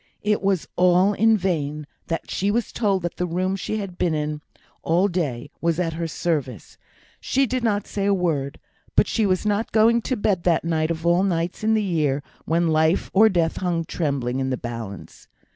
It was all in vain that she was told that the room she had been in all day was at her service; she did not say a word, but she was not going to bed that night, of all nights in the year, when life or death hung trembling in the balance.